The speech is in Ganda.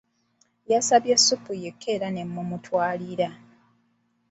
Yansabye ssupu yekka era ne mumutwalira.